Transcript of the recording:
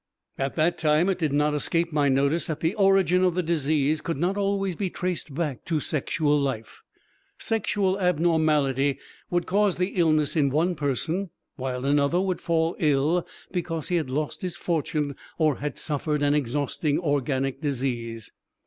At that time it did not escape my notice that the origin of the disease could not always be traced back to sexual life; sexual abnormality would cause the illness in one person, while another would fall ill because he had lost his fortune or had suffered an exhausting organic disease.